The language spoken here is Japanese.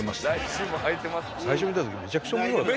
最初見た時めちゃくちゃ面白かった。